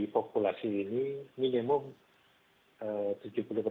populasi ini minimum